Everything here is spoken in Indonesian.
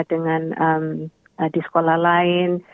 dengan di sekolah lain